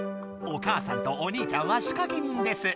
お母さんとお兄ちゃんはしかけ人です。